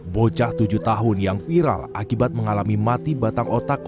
bocah tujuh tahun yang viral akibat mengalami mati batang otak